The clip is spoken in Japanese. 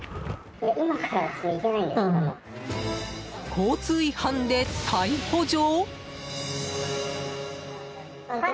交通違反で逮捕状？